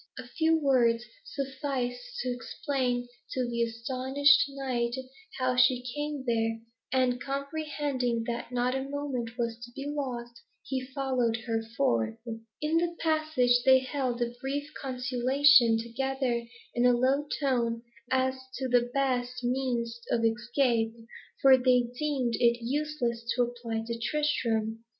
A few words sufficed to explain to the astonished knight how she came there, and comprehending that not a moment was to be lost, he followed her forth. In the passage, they held a brief consultation together in a low tone, as to the best means of escape, for they deemed it useless to apply to Tristram.